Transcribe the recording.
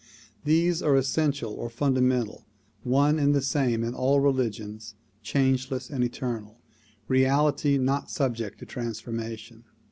These are essential or fundamental, one and the same in all religions, changeless and eternal, reality not subject to trans formation.